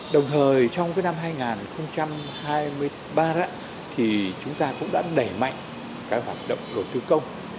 đồng thời trong năm hai nghìn hai mươi ba thì chúng ta cũng đã đẩy mạnh các hoạt động đầu tư công